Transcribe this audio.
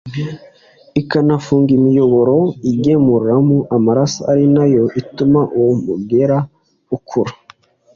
ikanafunga imiyoboro igemuramo amaraso ari nayo ituma uwo mugera ukura